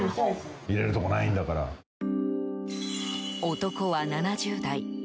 男は７０代。